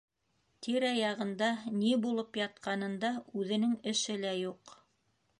Тирә-яғында ни булып ятҡанында үҙенең эше лә юҡ.